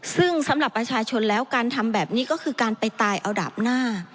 ซึ่งสำหรับประชาชนแล้วการทำแบบนี้ก็คือการไปตายเอาดาบหน้า